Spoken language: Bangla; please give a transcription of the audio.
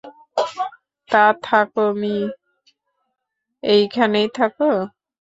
তা থাকো মি, এইখানেই থাকো।